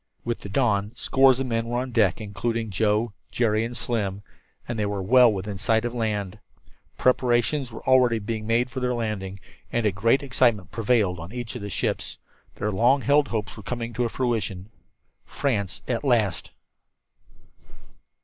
With the dawn, scores of the men were on deck, including Joe, Jerry and Slim and they were well within sight of land. Preparations already were being made for their landing, and a great excitement prevailed on each of the ships. Their long held hopes were coming to fruition. France at last!